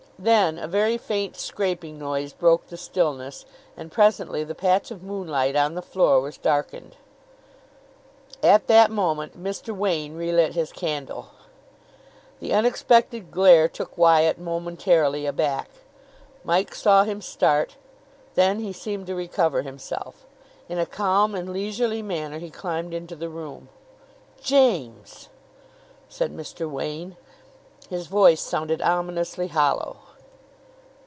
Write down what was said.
Then a very faint scraping noise broke the stillness, and presently the patch of moonlight on the floor was darkened. At that moment Mr. Wain relit his candle. The unexpected glare took Wyatt momentarily aback. Mike saw him start. Then he seemed to recover himself. In a calm and leisurely manner he climbed into the room. "James!" said Mr. Wain. His voice sounded ominously hollow.